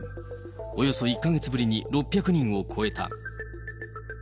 およそ１か月ぶりに６００人を超えた。